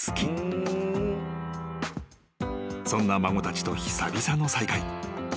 ［そんな孫たちと久々の再会］